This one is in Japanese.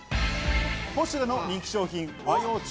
ポシュレの人気商品、和洋中